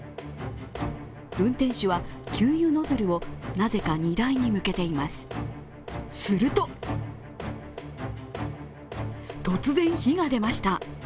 運転手は給油ノズルをなぜか荷台に向けています、すると突然火が出ました。